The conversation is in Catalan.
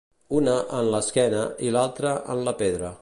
Una en l'esquena i l'altra en la pedra.